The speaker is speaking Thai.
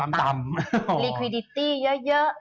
ลิควิดิตี้เยอะ